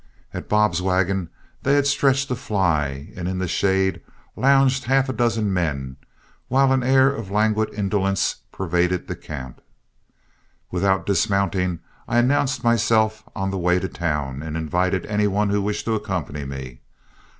At Bob's wagon they had stretched a fly, and in its shade lounged half a dozen men, while an air of languid indolence pervaded the camp. Without dismounting, I announced myself as on the way to town, and invited any one who wished to accompany me.